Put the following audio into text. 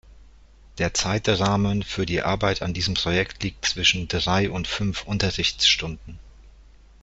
Der Zeitrahmen für die Arbeit an diesem Projekt liegt zwischen drei und fünf Unterrichtsstunden.